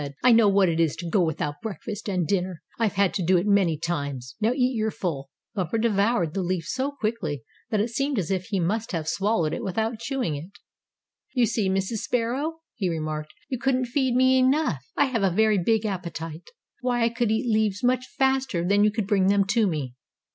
"I know what it is to go without breakfast and dinner. I've had to do it many times. Now eat your full." Bumper devoured the leaf so quickly that it seemed as if he must have swallowed it without chewing it. "You see, Mrs. Sparrow," he remarked, "you couldn't feed me enough. I have a very big appetite. Why, I could eat leaves much faster than you could bring them to me."